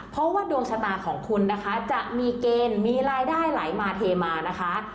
เพราะว่าดวงชะตาของคุณนะคะจะมีเกณฑ์มีรายได้ไหลมาเทมานะคะ